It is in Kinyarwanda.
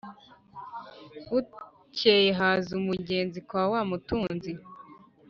Bukeye haza umugenzi kwa wa mutunzi